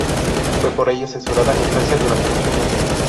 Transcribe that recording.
Fue por ello censurada en Francia durante mucho tiempo.